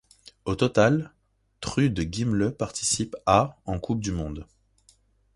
Au total, Trude Gimle participe à en Coupe du monde.